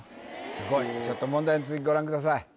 すごいちょっと問題の続きご覧ください